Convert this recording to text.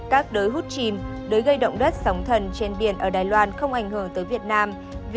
các đới hút chìm đới gây động đất sóng thần trên biển ở đài loan không ảnh hưởng tới việt nam